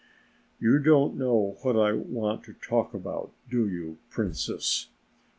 "You don't know what I want to talk about, do you, Princess?